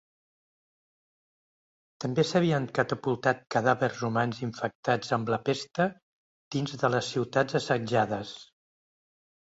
També s'havien catapultat cadàvers humans infectats amb la pesta dins de les ciutats assetjades.